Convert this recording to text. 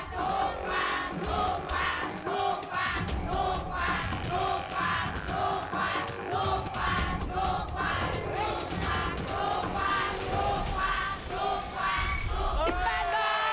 ถูกกว่า๑๙บาท